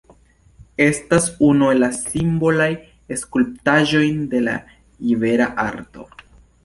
Estas unu el la simbolaj skulptaĵoj de la ibera Arto.